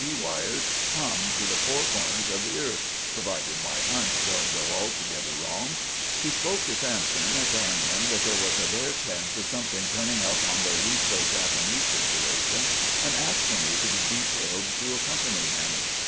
P. wires hum to the four corners of the earth provided my hunch don't go altogether wrong." He spoke to Sampson, telling him that there was a bare chance of something turning up on the Russo Japanese situation, and asked for me to be detailed to accompany him.